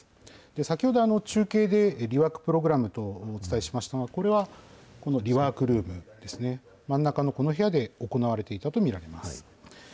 先ほど中継でリワークプログラムとお伝えしましたが、これはこのリワークルームですね、真ん中のこの部屋で行われていたと見られます。